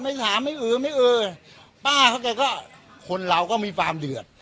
ไม่ถามไม่อือไม่เออป้าเขาแกก็คนเราก็มีความเดือด